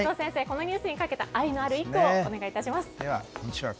このニュースにかけた愛のある１句をお願いします。